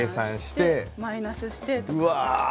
うわ。